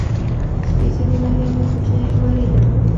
سپېڅلې مریم یو کوچنی وری درلود.